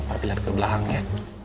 papi liat ke belakang ya